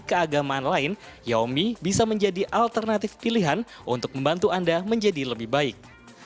keagamaan lain yaomi bisa menjadi alternatif pilihan untuk membantu anda menjadi lebih baik